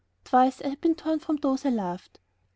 Twice I had been torn from those I loved